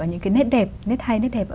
những nét đẹp nét hay nét đẹp